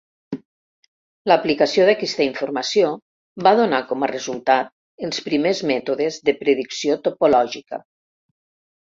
L'aplicació d'aquesta informació va donar com a resultat els primers mètodes de predicció topològica.